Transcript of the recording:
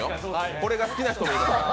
これが好きな人もいますから。